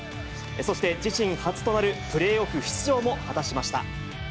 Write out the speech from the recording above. そして自身初となるプレーオフ出場も果たしました。